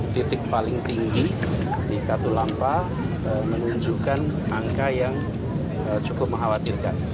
titik paling tinggi di katulampa menunjukkan angka yang cukup mengkhawatirkan